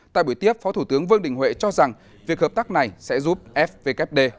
tại buổi tiếp phó thủ tướng vương đình huệ cho rằng việc hợp tác này sẽ giúp fvkd